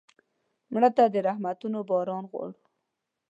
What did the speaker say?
مړه ته د رحمتونو باران غواړو